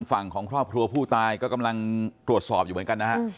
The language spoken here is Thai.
ฝั่งของครอบครัวผู้ตายก็กำลังตรวจสอบอยู่เหมือนกันนะฮะ